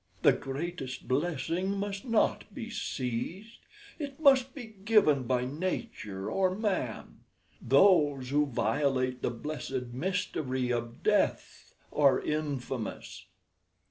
The greatest blessing must not be seized. It must be given by nature or man. Those who violate the blessed mystery of death are infamous."